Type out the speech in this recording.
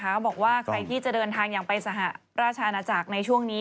เขาบอกว่าใครที่จะเดินทางอย่างไปสหราชอาณาจักรในช่วงนี้